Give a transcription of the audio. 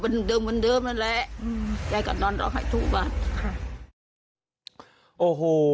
วันเดิมวันเดิมนั่นแหละอืมใจกัดนอนเราให้ทุกบาทค่ะโอ้โห